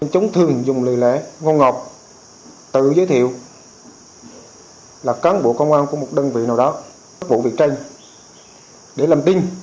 chúng thường dùng lời lẽ ngôn ngọc tự giới thiệu là cán bộ công an của một đơn vị nào đó